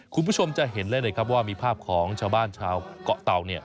คุณผู้ชมจะเห็นเลยนะครับว่ามีภาพของชาวบ้านชาวเกาะเตาเนี่ย